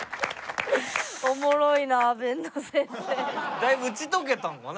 だいぶ打ち解けたのかな？